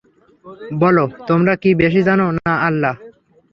বল তোমরা কি বেশি জান, না আল্লাহ?